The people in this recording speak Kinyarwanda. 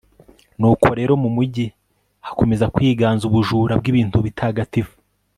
nuko rero, mu mugi hakomeza kwiganza ubujura bw'ibintu bitagatifu